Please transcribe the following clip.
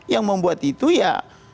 yang membuat itu ya